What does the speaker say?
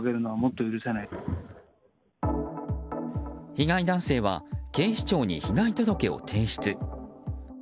被害男性は警視庁に被害届を提出。